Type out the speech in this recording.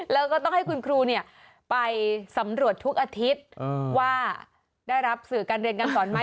แล้วก็ต้องให้คุณครูไปสำรวจทุกอาทิตย์ว่าได้รับสื่อการเรียนการสอนไหม